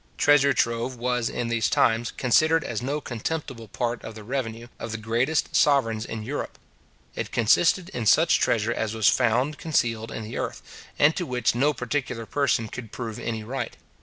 Treasure trove was, in those times, considered as no contemptible part of the revenue of the greatest sovereigns in Europe. It consisted in such treasure as was found concealed in the earth, and to which no particular person could prove any right.